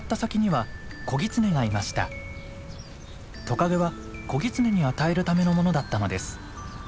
トカゲは子ギツネに与えるためのものだったのです。